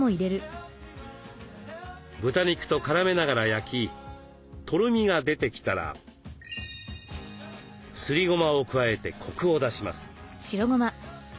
豚肉と絡めながら焼きとろみが出てきたらすりごまを加えてコクを出します。